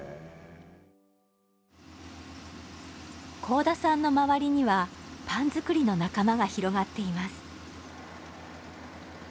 甲田さんの周りにはパン作りの仲間が広がっています。